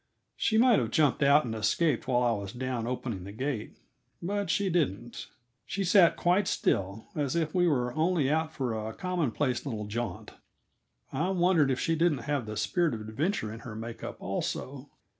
She might have jumped out and escaped while I was down opening the gate but she didn't. She sat quite still, as if we were only out on a commonplace little jaunt. I wondered if she didn't have the spirit of adventure in her make up, also.